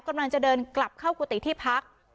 กำลังจะเดินกลับเข้ากุฏิที่พัก